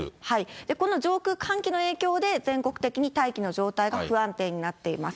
この上空、寒気の影響で、全国的に大気の状態が不安定になっています。